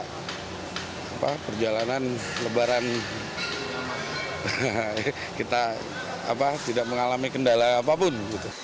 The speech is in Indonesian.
kita supaya perjalanan lebaran kita tidak mengalami kendala apapun